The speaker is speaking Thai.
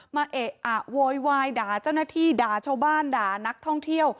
เอะอะโวยวายด่าเจ้าหน้าที่ด่าชาวบ้านด่านักท่องเที่ยว